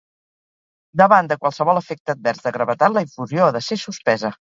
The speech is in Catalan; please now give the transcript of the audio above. Davant de qualsevol efecte advers de gravetat, la infusió ha de ser suspesa.